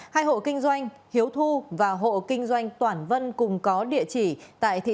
hai hộ kinh doanh hiếu thu và hộ kinh doanh toản vân cùng có địa chỉ